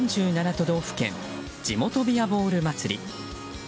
都道府県地元ビアボール祭り。